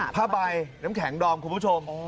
ผ้าใบน้ำแข็งดอมคุณผู้ชม